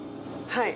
はい。